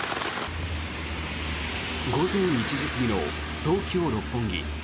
午前１時過ぎの東京・六本木。